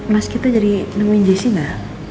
mas kita jadi nemuin jessi gak